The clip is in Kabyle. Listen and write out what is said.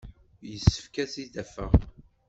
Yessefk ad t-id-afeɣ.